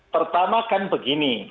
pertama kan begini